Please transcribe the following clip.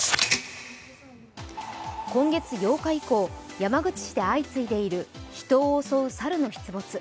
今月８日以降、山口市で相次いでいる人を襲う猿の出没。